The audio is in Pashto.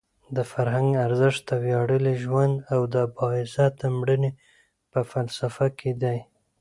د فرهنګ ارزښت د ویاړلي ژوند او د باعزته مړینې په فلسفه کې دی.